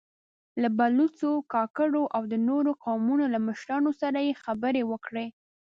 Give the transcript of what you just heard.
له بلوڅو، کاکړو او د نورو قومونو له مشرانو سره يې خبرې وکړې.